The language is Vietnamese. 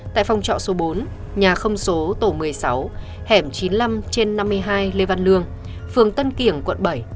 tại phòng trọ số bốn nhà không số tổ một mươi sáu hẻm chín mươi năm trên năm mươi hai lê văn lương phường tân kiểng quận bảy